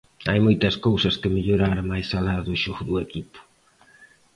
Hai moitas cousas que mellorar máis alá do xogo do equipo.